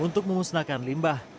untuk memusnahkan limbah